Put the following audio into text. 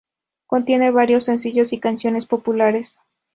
Contiene varios sencillo y canciones populares.